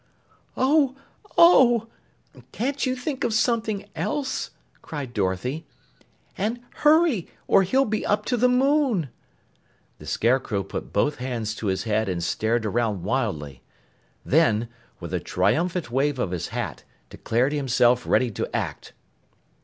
"Oh! Oh! Can't you think of something else?" cried Dorothy. "And hurry, or he'll be up to the moon!" The Scarecrow put both hands to his head and stared around wildly. Then, with a triumphant wave of his hat, declared himself ready to act.